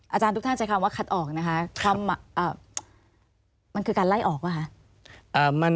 อาจารย์ทุกท่านใจความว่าขัดออกคือการไล่ออกไหมคะ